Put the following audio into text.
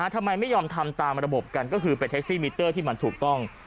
ทำไมไม่ยอมทำตามระบบกันก็คือไปเท็กซี่มิเตอร์ที่มันถูกต้อง